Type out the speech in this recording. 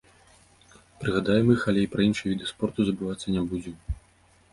Прыгадаем іх, але і пра іншыя віды спорту забывацца не будзем.